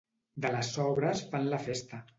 De les sobres fan la festa.